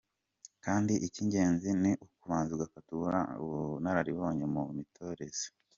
Kandi icy’ingenzi ni ukubanza ugafata ubunararibonye mu mitoreze.